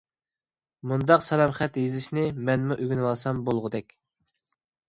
مۇنداق سالام خەت يېزىشنى مەنمۇ ئۆگىنىۋالسام بولغۇدەك.